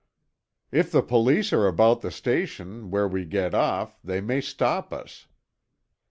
"If the police are about the station where we get off, they may stop us."